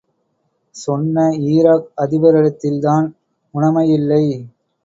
சொன்ன ஈராக் அதிபரிடத்தில் தான் உணமை இல்லை.